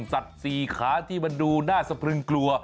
สี่ขาที่มันดูน่าสะพรึงกลัว